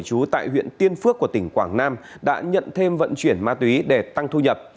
chú tại huyện tiên phước của tỉnh quảng nam đã nhận thêm vận chuyển ma túy để tăng thu nhập